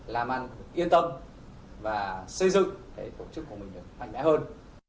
làm ăn yên tâm và xây dựng tổ chức của mình được hành đại hơn